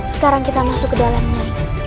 sekarang kita masuk ke dalamnya